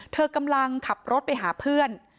เธอกำลังขับรถไปหาเพื่อน